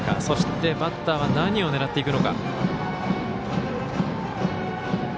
そしてバッターは何を狙っていくのか。